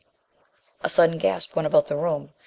A sudden gasp went about the room.